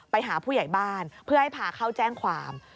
ไปหาผู้ใหญ่บ้านเพื่อให้พาเข้าแจ้งความ